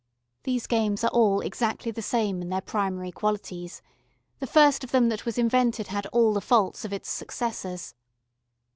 These games are all exactly the same in their primary qualities: the first of them that was invented had all the faults of all its successors.